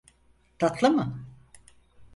Tatlı mı?